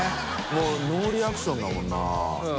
もうノーリアクションだもんな。